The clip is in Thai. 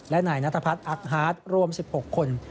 และนายนัทพัฒน์อักฮาร์ดรวม๑๖คน